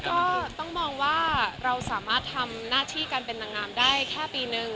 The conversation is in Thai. ก็ต้องมองว่าเราสามารถทำหน้าที่การเป็นนางงามได้แค่ปีนึง